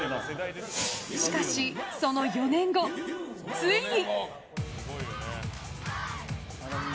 しかし、その４年後ついに。